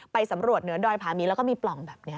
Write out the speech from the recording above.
สำรวจเหนือดอยพามีแล้วก็มีปล่องแบบนี้